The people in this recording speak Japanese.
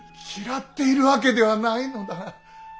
嫌っているわけではないのだが。